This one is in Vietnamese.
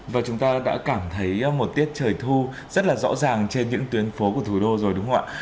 và chúng ta đã cảm thấy một tiết trời thu rất là rõ ràng trên những tuyến phố của thủ đô rồi đúng không ạ